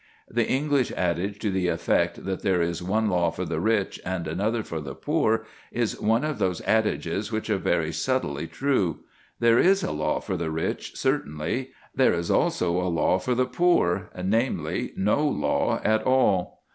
The English adage to the effect that there is one law for the rich and another for the poor is one of those adages which are very subtly true. There is a law for the rich, certainly. There is also a law for the poor namely, no law at all.